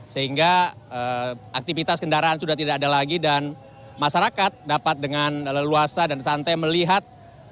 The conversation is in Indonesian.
sehingga aktivitas kendaraan sudah tidak ada lagi dan masyarakat dapat dengan leluasa dan santai melihat